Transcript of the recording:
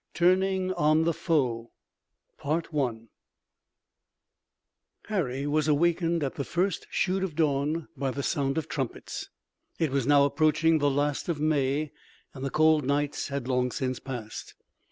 TURNING ON THE FOE Harry was awakened at the first shoot of dawn by the sound of trumpets. It was now approaching the last of May and the cold nights had long since passed.